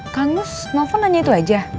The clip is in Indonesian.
kang gus mau ponanya itu aja